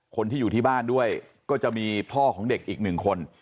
คนที่อยู่ที่บ้านด้วยก็จะมีพ่อของเด็กอีกหนึ่งคน